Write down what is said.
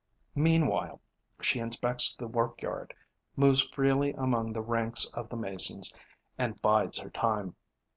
Meanwhile, she inspects the workyard, moves freely among the ranks of the Masons and bides her time.